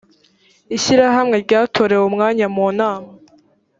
ishyirahamwe ryatorewe umwanya mu nama